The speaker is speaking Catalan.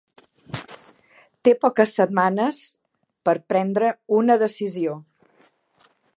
Té poques setmanes per prendre una decisió.